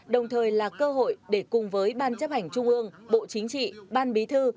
đồng thời là cơ hội để cùng với ban chấp hành trung ương bộ chính trị ban bí thư